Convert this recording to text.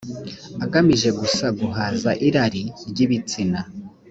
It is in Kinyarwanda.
agamije gusa guhaza irari ry ibitsina